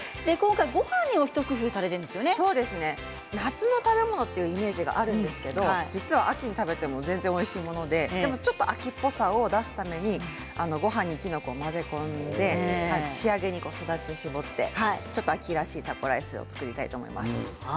ごはんにも夏の食べ物のイメージがありますが実は秋に食べてもおいしいものででも、ちょっと秋っぽさを出すためにごはんにきのこを混ぜ込んで仕上げにすだちを搾ってちょっと秋らしいタコライスを作りたいと思います。